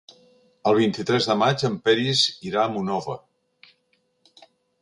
El vint-i-tres de maig en Peris irà a Monòver.